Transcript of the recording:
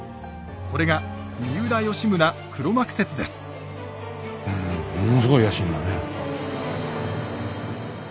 これがうんものすごい野心だね。